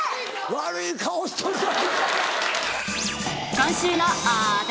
悪い顔しとるぞ。